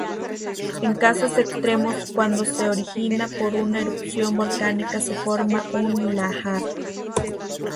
En casos extremos cuando se origina por una erupción volcánica se forma un lahar.